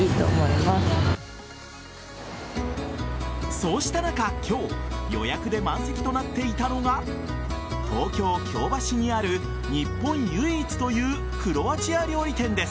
そうした中、今日予約で満席となっていたのが東京・京橋にある日本唯一というクロアチア料理店です。